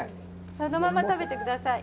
そのまま食べてください。